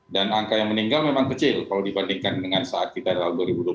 dan angka yang meninggal memang kecil kalau dibandingkan dengan saat kita dalam dua ribu dua puluh satu